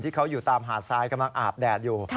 ที่เขาอยู่ตามหาดทรายกำลังอาบแดดอยู่